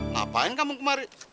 ngapain kamu kemari